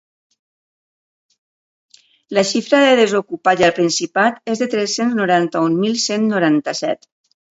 La xifra de desocupats al Principat és de tres-cents noranta-un mil cent noranta-set.